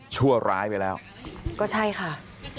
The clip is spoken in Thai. ชั่วร้ายไปแล้วก็ใช่ค่ะ